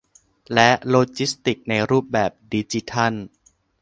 และโลจิสติกส์ในรูปแบบดิจิทัล